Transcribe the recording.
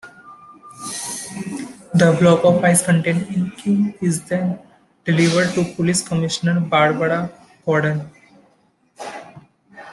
The block of ice containing Inque is then delivered to Police Commissioner Barbara Gordon.